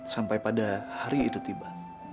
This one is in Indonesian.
sampai pada hari itu tiba